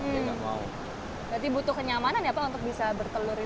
berarti butuh kenyamanan ya pak untuk bisa bertelur ini